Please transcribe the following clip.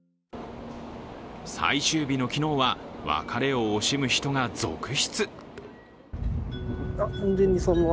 最終日の昨日は別れを惜しむ人が続出。